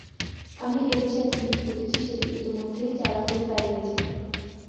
আমি এ দেশে একটি বীজ পুঁতেছি, সেটি ইতোমধ্যেই চারা হয়ে দাঁড়িয়েছে।